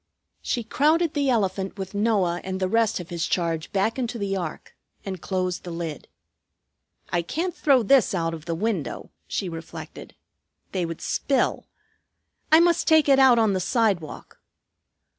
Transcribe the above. She crowded the elephant with Noah and the rest of his charge back into the ark and closed the lid. "I can't throw this out of the window," she reflected. "They would spill. I must take it out on the sidewalk.